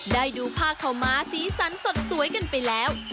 ได้ดูผ้าขาวม้าสีสันสดสวยกันไปแล้ว